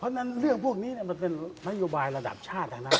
เพราะฉะนั้นเรื่องพวกนี้มันเป็นนโยบายระดับชาตินะครับ